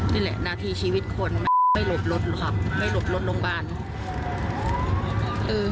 นี่แหละหน้าที่ชีวิตคนไม่หลุดรถครับไม่หลุดรถโรงพยาบาล